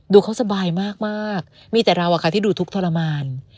เขาสบายมากมีแต่เราที่ดูทุกข์ทรมาน